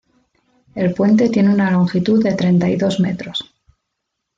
El puente tiene una longitud de treinta y dos metros.